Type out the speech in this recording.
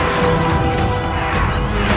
ambil saja aku celakkan